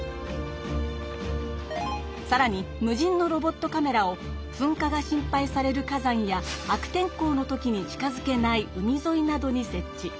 さらに無人のロボットカメラをふんかが心配される火山や悪天候の時に近づけない海ぞいなどにせっ置。